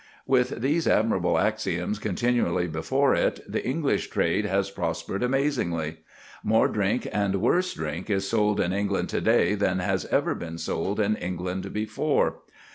With these admirable axioms continually before it, the English trade has prospered amazingly. More drink and worse drink is sold in England to day than has ever been sold in England before.